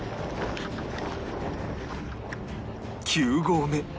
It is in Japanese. ９合目